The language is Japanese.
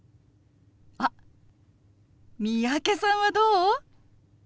あっ三宅さんはどう？